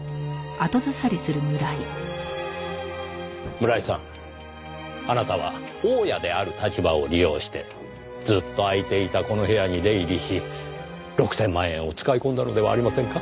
村井さんあなたは大家である立場を利用してずっと空いていたこの部屋に出入りし６千万円を使い込んだのではありませんか？